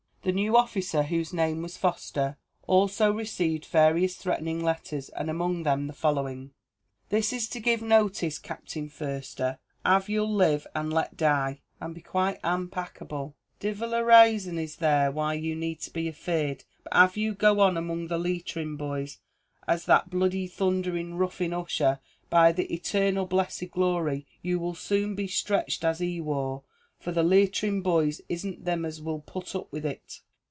The new officer, whose name was Foster, also received various threatening letters, and among them the following: This is to giv' notis, Captin Furster, av you'll live and let live, and be quite an' pacable divil a rason is there, why you need be afeard but av you go on among the Leatrim boys as that bloody thundhering ruffin Ussher, by the etarnal blessed Glory, you wul soon be streatched as he war for the Leatrim boys isn't thim as wul put up with it.